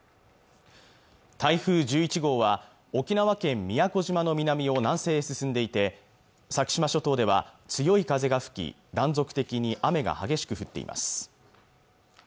台風１１号は沖縄県宮古島の南を南西へ進んでいて先島諸島では強い風が吹き断続的に雨が激しく降っています